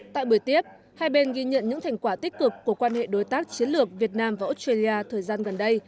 tại buổi tiếp hai bên ghi nhận những thành quả tích cực của quan hệ đối tác chiến lược việt nam và australia thời gian gần đây